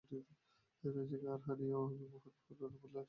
রাজাকে আর হরিকে আমার বহুত বহুত দণ্ডবৎ লাট্টিবৎ ইষ্টিকবৎ ছতরীবৎ দিবে।